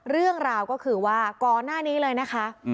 เรื่องราวก็คือว่าก่อนหน้านี้เลยนะคะ